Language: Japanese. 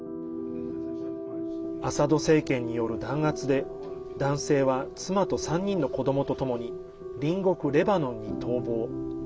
アサド政権による弾圧で男性は妻と３人の子どもとともに隣国レバノンに逃亡。